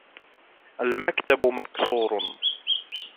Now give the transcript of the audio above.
المكتب مكسور.